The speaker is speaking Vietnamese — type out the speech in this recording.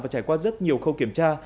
và trải qua rất nhiều khâu kiểm tra